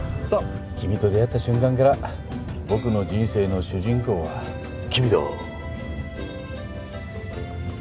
そう君と出会った瞬間から僕の人生の主人公は君だー